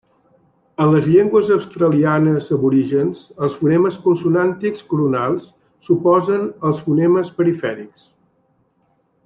En les Llengües australianes aborígens els fonemes consonàntics coronals s'oposen als fonemes perifèrics.